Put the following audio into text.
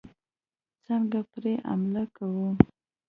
څنګه پرې حملې کوي.